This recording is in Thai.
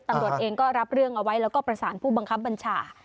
ตำรวจเองก็รับเรื่องเอาไว้แล้วก็ประสานผู้บังคับบัญชา